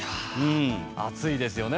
熱いですよね。